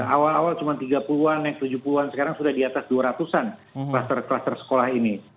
awal awal cuma tiga puluh an naik tujuh puluh an sekarang sudah di atas dua ratus an kluster kluster sekolah ini